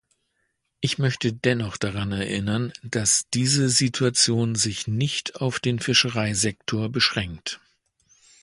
Ich möchte dennoch daran erinnern, dass diese Situation sich nicht auf den Fischereisektor beschränkt.